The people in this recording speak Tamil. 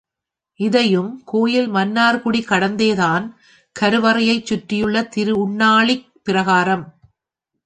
இதையும் கோயில் மன்னார்குடி கடந்தே தான் கரு வறையைச் சுற்றியுள்ள திரு உண்ணாழிப் பிரகாரம்.